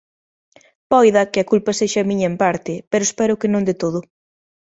Poida que a culpa sexa miña en parte, pero espero que non de todo.